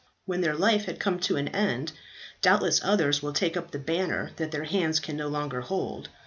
When their life has come to an end, doubtless others will take up the banner that their hands can no longer hold.